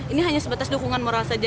ini hanya sebatas dukungan moral saja